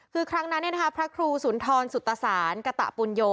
คือครั้งนั้นเนี่ยนะคะพระครูสุนทรสุตสารกระตะปุญโย